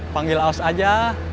panggil aus aja